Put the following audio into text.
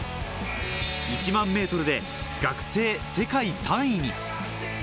１００００ｍで学生世界３位に。